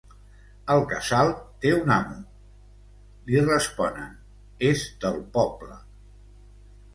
El casal té un amo…’ Li responen: ‘És del poble’.